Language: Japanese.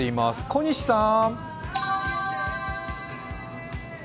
小西さん。